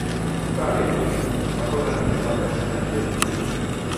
Stan Irwin va posar veu al personatge de Lou.